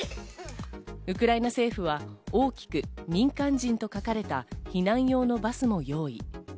ウクライナ政府は大きく民間人と書かれた避難用のバスも用意。